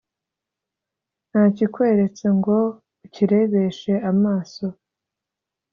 Nakikweretse ngo ukirebeshe amaso